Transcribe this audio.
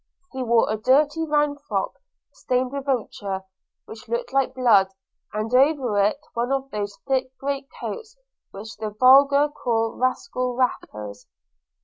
He wore a dirty round frock stained with ochre which looked like blood, and over it one of those thick great coats which the vulgar call rascal wrappers.